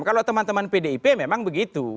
kalau teman teman pdip memang begitu